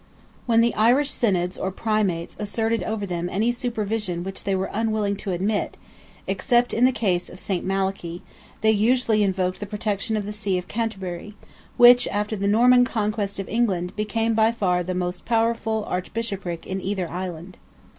When the Irish Synods or Primates asserted over them any supervision which they were unwilling to admit—except in the case of St. Malachy—they usually invoked the protection of the See of Canterbury, which, after the Norman conquest of England, became by far the most powerful Archbishopric in either island.